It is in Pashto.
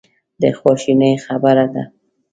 د خواشینۍ خبره ده.